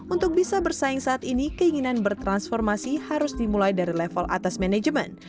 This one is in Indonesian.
untuk bisa bersaing saat ini keinginan bertransformasi harus dimulai dari level atas manajemen